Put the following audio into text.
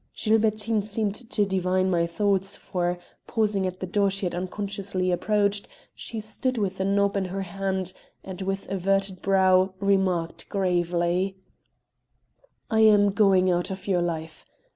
Gilbertine seemed to divine my thoughts, for, pausing at the door she had unconsciously approached, she stood with the knob in her hand, and, with averted brow, remarked gravely: "I am going out of your life.